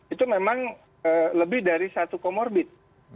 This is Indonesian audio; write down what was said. itu memang lebih dari satu comorbid